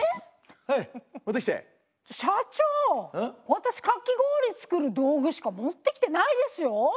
私かき氷作る道具しか持ってきてないですよ！